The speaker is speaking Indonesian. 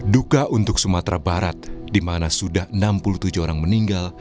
duka untuk sumatera barat di mana sudah enam puluh tujuh orang meninggal